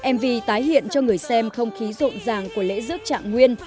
mv tái hiện cho người xem không khí rộn ràng của lễ dước trạng nguyên